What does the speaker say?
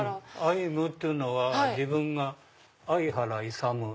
あいむっていうのは自分が相原勇。